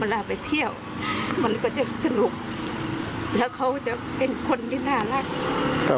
เวลาไปเที่ยวมันก็จะสนุกแล้วเขาจะเป็นคนที่น่ารัก